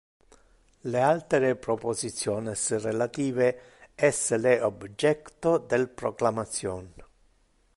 Le altere propositiones relative es le objecto del proclamation.